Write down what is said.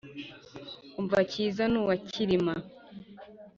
umva cyiza ni uwa cyilima